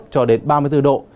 ba mươi một cho đến ba mươi bốn độ